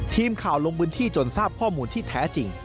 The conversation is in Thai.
ทีมข่าวลงพื้นที่จนทราบข้อมูลที่แท้จริง